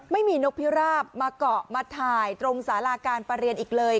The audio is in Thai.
นกพิราบมาเกาะมาถ่ายตรงสาราการประเรียนอีกเลย